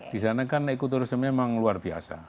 disana kan ekoturisme memang luar biasa